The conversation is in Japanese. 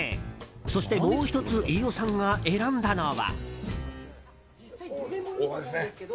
そして、もう１つ飯尾さんが選んだのは。